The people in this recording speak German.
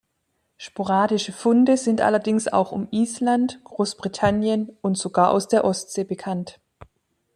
Sporadische Funde sind allerdings auch um Island, Großbritannien und sogar aus der Ostsee bekannt.